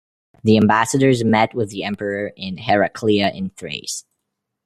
The ambassadors met with the emperor in Heraclea in Thrace.